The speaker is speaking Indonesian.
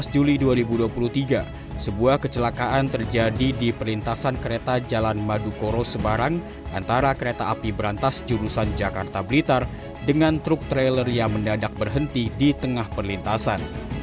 delapan belas juli dua ribu dua puluh tiga sebuah kecelakaan terjadi di perlintasan kereta jalan madukoro sebarang antara kereta api berantas jurusan jakarta blitar dengan truk trailer yang mendadak berhenti di tengah perlintasan